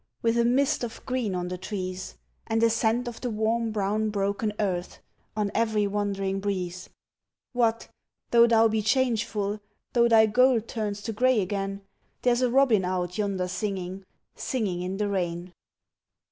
With a mist of green on the trees And a scent of the warm brown broken earth On every wandering breeze; What, though thou be changeful, Though thy gold turns to grey again, There's a robin out yonder singing, Singing in the rain.